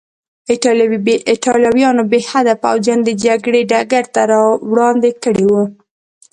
ایټالویانو بې حده پوځیان د جګړې ډګر ته راوړاندې کړي وو.